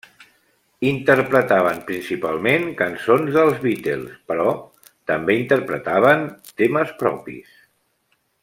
Interpretaven principalment cançons dels Beatles, però també interpretaven temes propis.